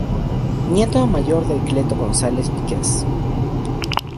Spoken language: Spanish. Nieto mayor de Cleto González Víquez.